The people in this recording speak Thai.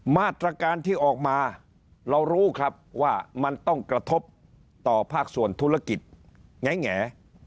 มาตรการที่ออกมาเรารู้ครับว่ามันต้องกระทบต่อภาคส่วนธุรกิจแง่